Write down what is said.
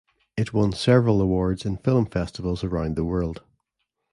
It won several awards in film festivals around the world.